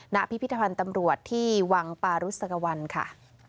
พิพิธภัณฑ์ตำรวจที่วังปารุสกวันค่ะ